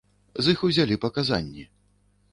З іх узялі паказанні.